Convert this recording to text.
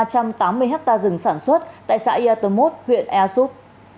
ba trăm tám mươi hectare rừng sản xuất tại xã yatomot huyện easup